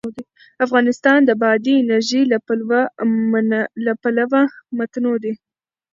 افغانستان د بادي انرژي له پلوه متنوع دی.